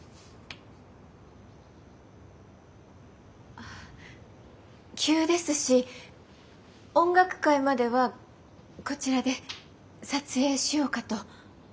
あ急ですし音楽会まではこちらで撮影しようかと。